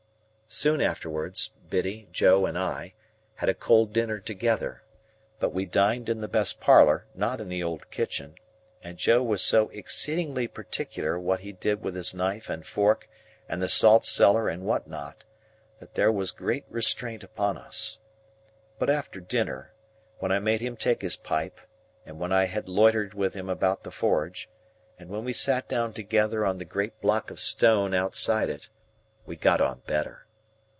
Soon afterwards, Biddy, Joe, and I, had a cold dinner together; but we dined in the best parlour, not in the old kitchen, and Joe was so exceedingly particular what he did with his knife and fork and the saltcellar and what not, that there was great restraint upon us. But after dinner, when I made him take his pipe, and when I had loitered with him about the forge, and when we sat down together on the great block of stone outside it, we got on better.